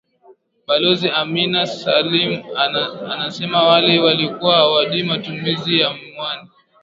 Balozi Amina Salum anasema awali walikuwa hawajui matumizi ya mwani